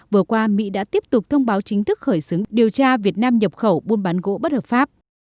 vừa qua mỹ đã tiếp tục thông báo chính thức khởi xướng điều tra việt nam nhập khẩu buôn bán gỗ bất hợp pháp